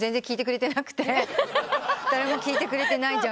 「誰も聴いてくれてないじゃん」